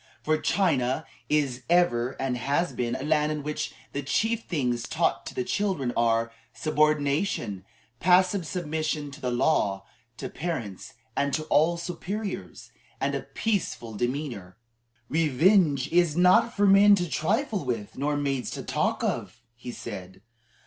For China is and ever has been a land in which the chief things taught the children are, "subordination, passive submission to the law, to parents, and to all superiors, and a peaceful demeanor." "Revenge is not for men to trifle with, nor maids to talk of," he said.